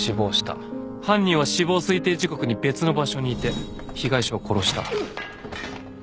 犯人は死亡推定時刻に別の場所にいて被害者を殺した。